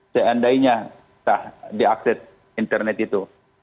seandainya diakses internet itu